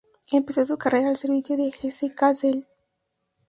Empezó su carrera el servicio de su Hesse-Kassel.